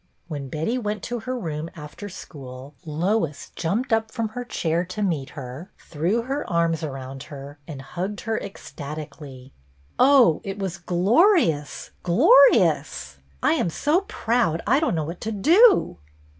When Betty went to her room after school, Lois jumped up from her chair to meet her, threw her arms around her, and hugged her ecstatically. " Oh, it was glorious, glorious ! I am so proud I don't know what to do."